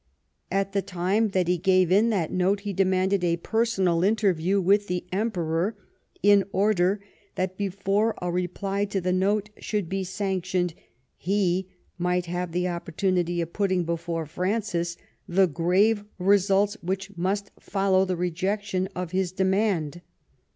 At the time that lie gave in that note he demanded a personal interview with the Emperor, in order that, before a reply to the note should be sanctioned, he might have the opportunity of ])utting before Francis the grave results which must follow the rejection of his demand.